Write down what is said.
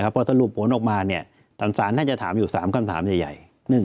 พอสรุปผลออกมาสารน่าจะถามอยู่๓คำถามใหญ่